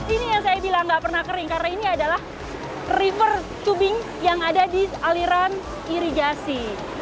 ini yang saya bilang nggak pernah kering karena ini adalah river tubing yang ada di aliran irigasi